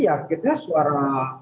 ya akhirnya suara